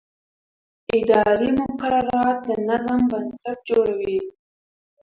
اداري مقررات د نظم بنسټ جوړوي.